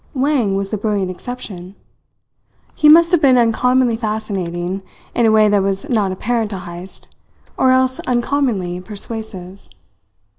Wang was the brilliant exception. He must have been uncommonly fascinating, in a way that was not apparent to Heyst, or else uncommonly persuasive.